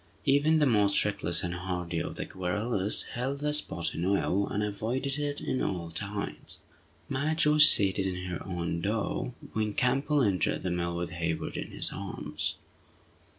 Even the most reckless and hardy of the guerrillas held the spot in awe, and avoided it at all times. Madge was seated in her own door when Campbell entered the mill with Hayward in his arms.